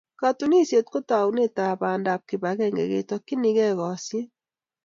Katunisyet ko taunetab bandab kibagenge ketokchinigei kosyin.